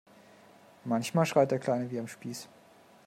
Manchmal schreit der Kleine wie am Spieß.